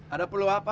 ada perlu apa